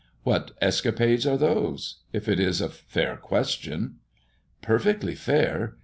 "What escapades are those? if it is a fair question." "Perfectly fair.